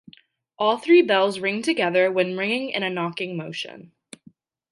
All three bells ring together when ringing in a knocking motion.